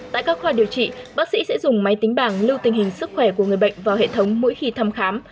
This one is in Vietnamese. tại các khoa điều trị bác sĩ sẽ dùng máy tính bảng lưu tình hình sức khỏe của người bệnh vào hệ thống mỗi khi thăm khám